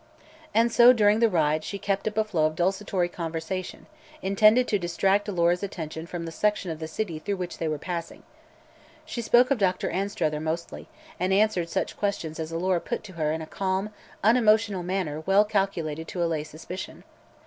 And so, during the ride, she kept up a flow of desultory conversation, intended to distract Alora's attention from the section of the city through which they were passing. She spoke of Dr. Anstruther, mostly, and answered such questions as Alora put to her in a calm, unemotional manner well calculated to allay suspicion.